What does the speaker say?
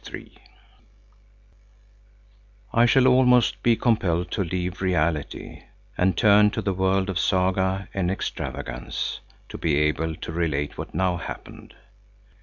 III I shall almost be compelled to leave reality, and turn to the world of saga and extravagance to be able to relate what now happened.